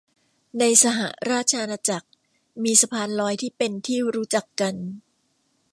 ในสหราชอาณาจักรมีสะพานลอยที่เป็นที่รู้จักกัน